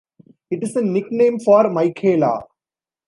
It is a nickname for Michaela.